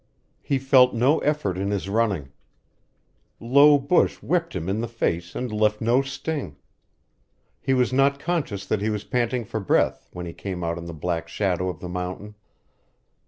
He felt no effort in his running. Low bush whipped him in the face and left no sting. He was not conscious that he was panting for breath when he came out in the black shadow of the mountain.